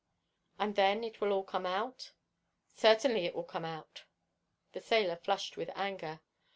"And then it will all come out?" "Certainly it will come out." The sailor flushed with anger.